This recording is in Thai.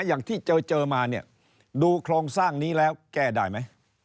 อย่างที่เจอมาเนี่ยดูโครงสร้างนี้แล้วแก้ได้ไหม